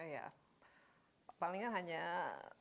ya palingnya hanya satu